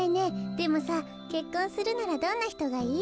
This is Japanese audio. でもさけっこんするならどんなひとがいい？